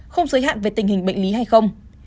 không giới hạn về tình hình bệnh lý hay không